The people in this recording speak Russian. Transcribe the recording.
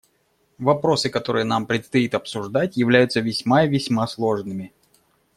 Вопросы, которые нам предстоит обсуждать, являются весьма и весьма сложными.